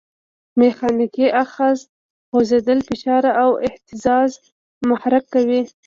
میخانیکي آخذه خوځېدل، فشار او اهتزاز محرک کوي.